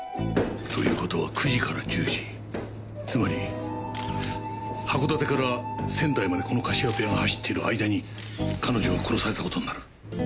という事は９時から１０時つまり函館から仙台までこのカシオペアが走っている間に彼女は殺された事になる。